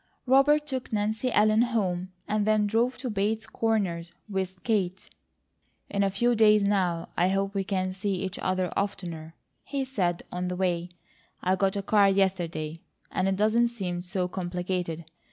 Robert took Nancy Ellen home, and then drove to Bates Corners with Kate. "In a few days now I hope we can see each other oftener," he said, on the way. "I got a car yesterday, and it doesn't seem so complicated.